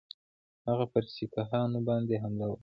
هغه پر سیکهانو باندي حمله وکړي.